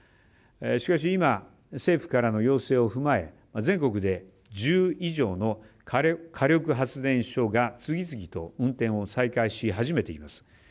しかし、今、政府からの要請を踏まえ全国で１０以上の火力発電所が次々と運転を再開し始めています。